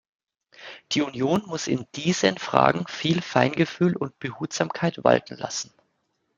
Die Union muss in diesen Fragen viel Feingefühl und Behutsamkeit walten lassen.